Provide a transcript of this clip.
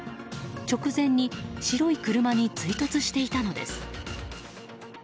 直前に白い車に追突していたのです。